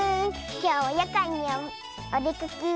きょうはやかんにおでかけ。